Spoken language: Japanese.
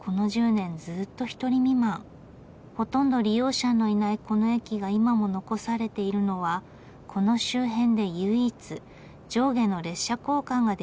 ほとんど利用者のいないこの駅が今も残されているのはこの周辺で唯一上下の列車交換ができる駅だからだそうです。